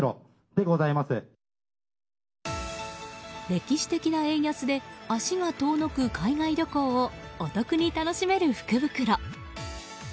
歴史的な円安で足が遠のく海外旅行をお得に楽しめる福袋。